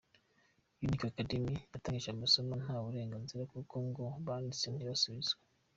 Unique Academy yatangije amasomo nta burenganzira kuko ngo banditse ntibasubizwe.